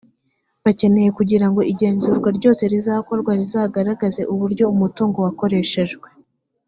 bakeneye kugira ngo igenzurwa ryose rizakorwa rizagaragaze uburyo umutungo wakoreshejwe